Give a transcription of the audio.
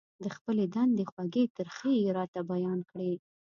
د خپلې دندې خوږې ترخې يې راته بيان کړې.